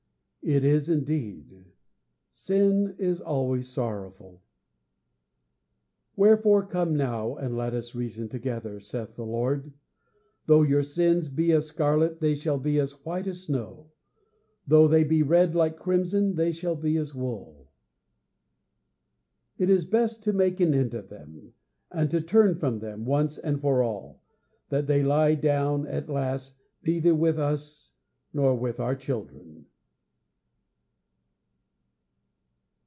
It is indeed; sin is always sorrowful. VII '_Wherefore come now and let us reason together, saith the Lord; though your sins be as scarlet, they shall be as white as snow; though they be red like crimson, they shall be as wool._' It is best to make an end of them, and to turn from them, once and for all, that they lie down at last neither with us nor with our children.